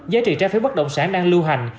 giá trị trái phiếu bất động sản đang lưu hành